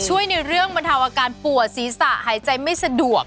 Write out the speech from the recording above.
ในเรื่องบรรเทาอาการปวดศีรษะหายใจไม่สะดวก